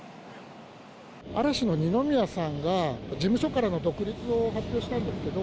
嵐の二宮さんが、事務所からの独立を発表したんですけど。